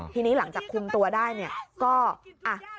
ทีนี้หลังจากคุมตัวได้ก็อ่า